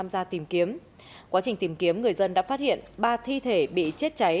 ra tìm kiếm quá trình tìm kiếm người dân đã phát hiện ba thi thể bị chết cháy